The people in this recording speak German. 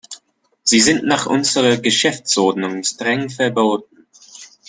Sie sind nach unserer Geschäftsordnung streng verboten.